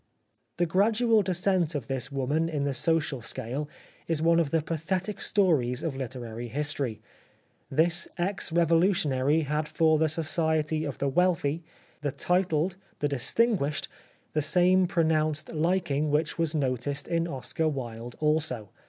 The gradual descent of this woman in the social scale is one of the pathetic stories of literary history. This ex revolutionary had for the society of the wealthy, the titled, the dis tinguished, the same pronounced liking which was noticed in Oscar Wilde also.